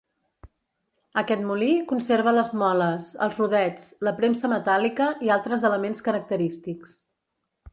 Aquest molí conserva les moles, els rodets, la premsa metàl·lica i altres elements característics.